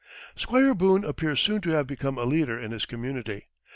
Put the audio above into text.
Squire Boone appears soon to have become a leader in his community.